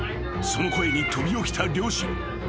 ［その声に飛び起きた両親］